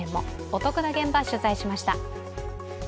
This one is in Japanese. お得な現場、取材しました。